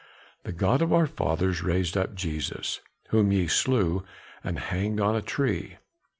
The God of our fathers raised up Jesus, whom ye slew and hanged on a tree.